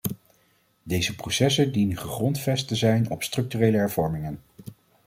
Deze processen dienen gegrondvest te zijn op structurele hervormingen.